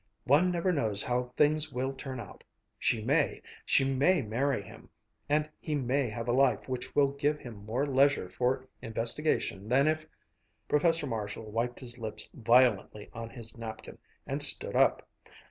one never knows how things will turn out she may she may marry him, and he may have a life which will give him more leisure for investigation than if " Professor Marshall wiped his lips violently on his napkin and stood up.